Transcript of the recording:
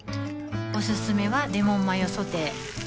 おすすめはレモンマヨソテー